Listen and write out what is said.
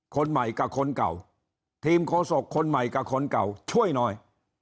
คนใหม่กับคนเก่าทีมโฆษกคนใหม่กับคนเก่าช่วยหน่อย